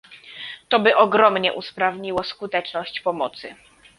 To by ogromnie usprawniło skuteczność pomocy